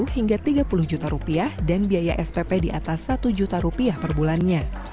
dua puluh hingga rp tiga puluh juta dan biaya spp di atas rp satu juta per bulannya